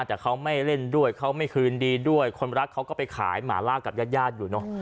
แต่เขาไม่เล่นด้วยเขาไม่คืนดีด้วยคนรักเขาก็ไปขายหมาล่ากับญาติญาติอยู่เนอะ